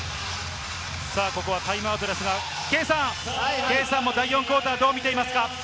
ここはタイムアウトですが、圭さん、第４クオーター、どう見ていますか？